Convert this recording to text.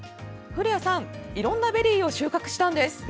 古谷さん、いろんなベリーを収穫したんです。